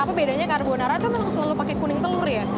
apa bedanya carbonara tuh namanya selalu pakai lapis kuning ya